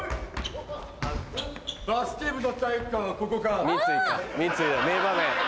バスケ部の体育館はここか。